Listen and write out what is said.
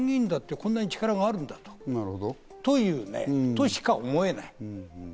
長年見てきていると、参議院だって、こんなに力があるんだということしか思えない。